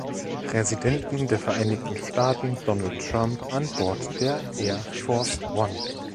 Präsidenten der Vereinigten Staaten Donald Trump an Bord der Air Force One.